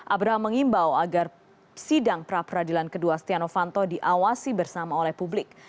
abraham mengimbau agar sidang pra peradilan kedua stiano fanto diawasi bersama oleh publik